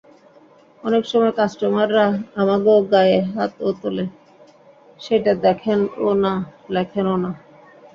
অনেক সময় কাস্টমাররা আমাগো গায়ে হাতও তোলে সেইটা দেখেনও না, লেখেনও না।